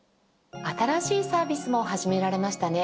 新しいサービスも始められましたね。